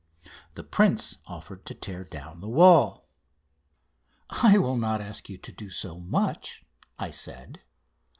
The prince offered to tear down the wall. "I will not ask you to do so much," I said.